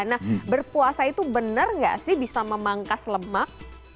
nah berpuasa itu benar nggak sih bisa memangkas lemak